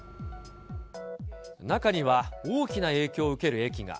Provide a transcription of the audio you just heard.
中には、大きな影響を受ける駅が。